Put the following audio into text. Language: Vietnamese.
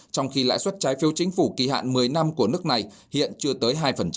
trong khi lãi suất trái phiếu chính phủ kỳ hạn một mươi năm của nước này hiện chưa tới hai